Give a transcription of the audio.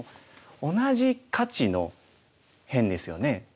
同じ価値の辺ですよね。